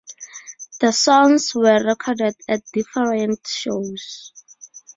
The songs were recorded at different shows.